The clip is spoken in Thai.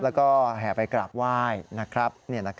แล้วก็แห่ไปกราบไหว้นะครับ